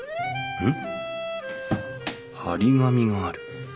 うん。